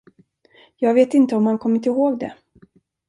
Jag vet inte, om han kommit ihåg det.